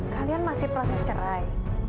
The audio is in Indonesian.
kalian masih proses cerai